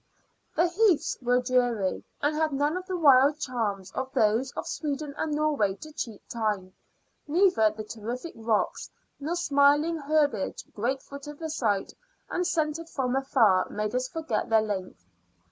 The heaths were dreary, and had none of the wild charms of those of Sweden and Norway to cheat time; neither the terrific rocks, nor smiling herbage grateful to the sight and scented from afar, made us forget their length.